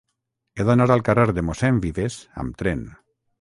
He d'anar al carrer de Mossèn Vives amb tren.